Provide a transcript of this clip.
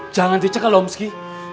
jangan dicek loh om ski